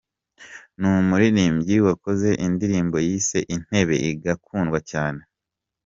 n’umuririmbyi wakoze indirimbo yise “Intebe” igakundwa cyane.